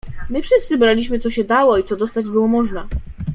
"My wszyscy braliśmy co się dało i co dostać było można."